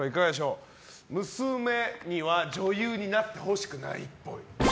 娘には女優になってほしくないっぽい。